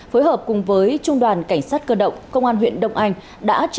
phối hợp cùng với trung đoàn cảnh sát cơ động công an huyện đông anh đã triệt phá ổ nhóm tàng chữ